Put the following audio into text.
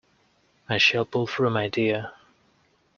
I shall pull through, my dear!